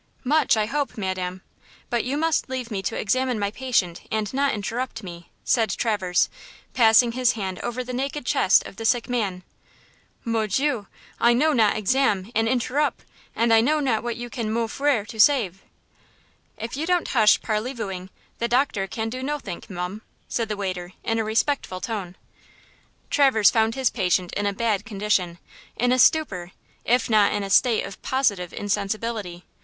"Much, I hope, madam, but you must leave me to examine my patient and not interrupt me," said Traverse, passing his hand over the naked chest of the sick man. "Mon Dieu! I know not 'exam' and 'interrup'! and I know not what can you mon frère to save!" "If you don't hush parley vooing, the doctor can do nothink, mum," said the waiter, in a respectful tone. Traverse found his patient in a bad condition–in a stupor, if not in a state of positive insensibility.